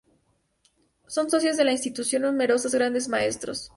Son socios de la institución numerosos Grandes Maestros.